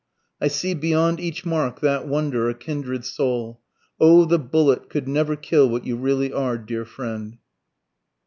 "I see beyond each mark that wonder, a kindred soul. O the bullet could never kill what you really are, dear friend."